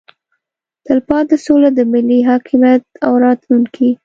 تلپاتې سوله د ملي حاکمیت او راتلونکي